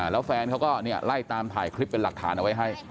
แล้วแฟนเขาก็ไล่ตามถ่ายคลิปเป็นหลักฐานเอาไว้ให้